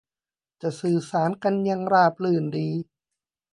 จะสื่อสารกันอย่างราบรื่นดี